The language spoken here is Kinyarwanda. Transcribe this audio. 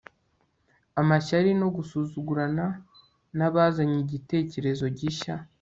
amashyari no gusuzugurana n'abazanye igitekerezo gishya